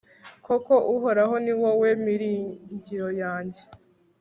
koko uhoraho ni wowe miringiro yanjye